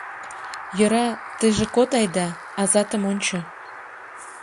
Йӧра, тыйже код айда, азатым ончо.